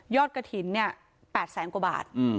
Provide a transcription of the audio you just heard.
ยอดกระถิ่น๘แสนกว่าบาท